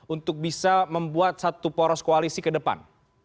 untuk bisa membuat satu poros koalisi ke depan